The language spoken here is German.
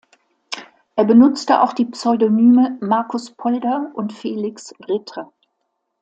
Er benutzte auch die Pseudonyme "Markus Polder" und "Felix Ritter".